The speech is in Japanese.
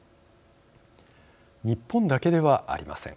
日本だけではありません。